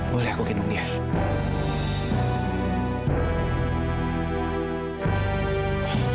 boleh aku kandung dia